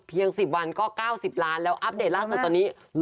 ๑๐วันก็๙๐ล้านแล้วอัปเดตล่าสุดตอนนี้